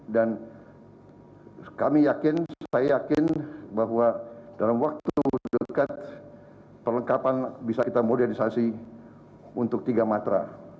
kami yakin saya yakin bahwa dalam waktu dekat perlengkapan bisa kita modernisasi untuk tiga matra